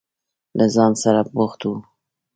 له ځان سره بوخت و.